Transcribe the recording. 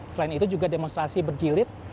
selain itu juga demonstrasi berjilid